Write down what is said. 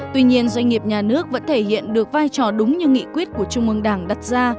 tuy nhiên doanh nghiệp nhà nước vẫn thể hiện được vai trò đúng như nghị quyết của trung ương đảng đặt ra